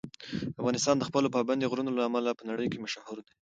افغانستان د خپلو پابندي غرونو له امله په نړۍ کې مشهور دی.